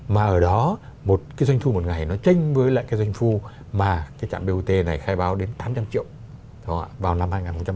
mà ở đó một cái doanh thu một ngày nó tranh với lại cái doanh thu mà cái trạm bot này khai báo đến tám trăm linh triệu vào năm hai nghìn hai mươi